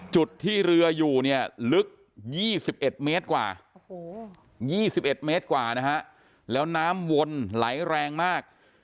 จุดที่เรืออยู่เนี่ยลึก๒๑เมตรกว่า๒๑เมตรกว่านะฮะแล้วน้ำวนไหลแรงมาก